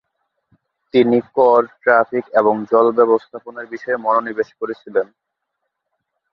তিনি কর, ট্রাফিক এবং জল ব্যবস্থাপনার বিষয়ে মনোনিবেশ করেছিলেন।